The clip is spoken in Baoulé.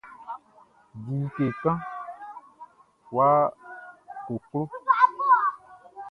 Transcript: Di like kan ya koklo.